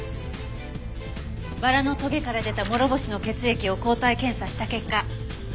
バラのトゲから出た諸星の血液を抗体検査した結果。